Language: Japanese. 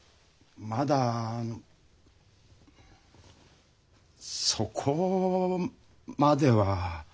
まだそこまでは。